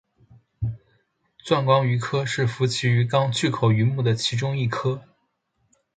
钻光鱼科是辐鳍鱼纲巨口鱼目的其中一科。